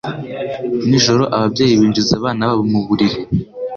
Nijoro ababyeyi binjiza abana babo mu buriri